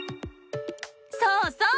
そうそう！